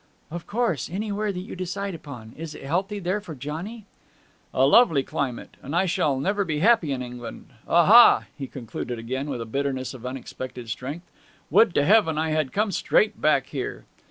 'Of course, anywhere that you decide upon. Is it healthy there for Johnny?' 'A lovely climate. And I shall never be happy in England ... Aha!' he concluded again, with a bitterness of unexpected strength, 'would to Heaven I had come straight back here!'